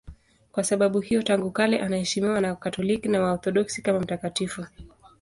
Kwa sababu hiyo tangu kale anaheshimiwa na Wakatoliki na Waorthodoksi kama mtakatifu.